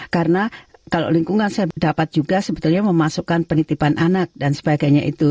karena kalau lingkungan saya dapat juga sebetulnya memasukkan penitipan anak dan sebagainya itu